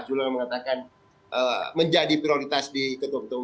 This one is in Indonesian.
jules mengatakan menjadi prioritas di ked